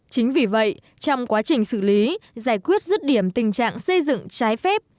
chính vì vậy trong quá trình xử lý giải quyết rứt điểm tình trạng xây dựng trái phép